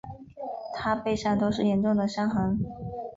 她背上都是严重的伤痕